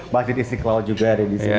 mas jidid siklaw juga ada di sini